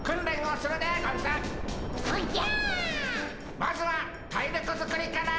まずは体力づくりから！